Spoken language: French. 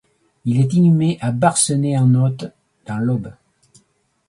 Il est inhumé à Bercenay-en-Othe dans l’Aube.